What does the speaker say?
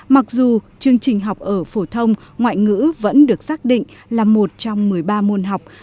mặc dù chương trình học ở phổ thông ngoại ngữ vẫn được xác định là một trong một mươi ba môn học